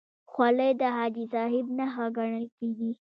خولۍ د حاجي صاحب نښه ګڼل کېږي.